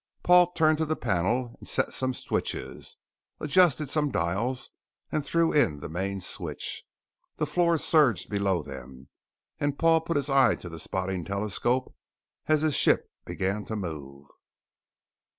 Paul turned to the panel and set some switches, adjusted some dials, and threw in the main switch. The floor surged below them and Paul put his eye to the spotting telescope as his ship began to move.